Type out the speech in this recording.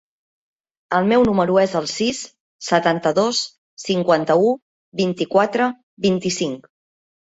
El meu número es el sis, setanta-dos, cinquanta-u, vint-i-quatre, vint-i-cinc.